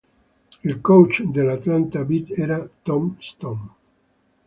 Il coach dell'Atlanta Beat era Tom Stone.